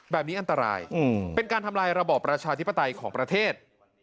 แบบนี้อันตรายเป็นการทำลายระบอบประชาธิปไตยของประเทศ